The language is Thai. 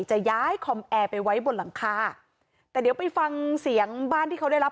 จะย้ายคอมแอร์ไปไว้บนหลังคาแต่เดี๋ยวไปฟังเสียงบ้านที่เขาได้รับ